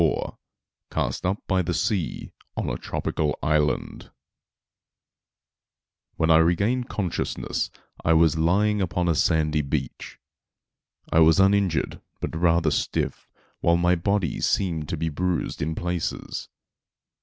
* *Cast up by the Sea on a Tropical Island.* When I regained consciousness I was lying upon a sandy beach. I was uninjured, but rather stiff, while my body seemed to be bruised in places.